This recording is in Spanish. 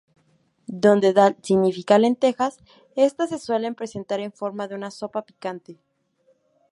Donde Dal significa lentejas; estas se suelen presentar en forma de una sopa picante.